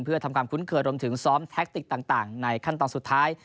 เพื่อทำความคุ้นเคยรวมถึงซ้อมแท็กติกต่างในขั้นตอนสุดท้าย